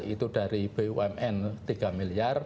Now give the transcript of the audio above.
itu dari bumn tiga miliar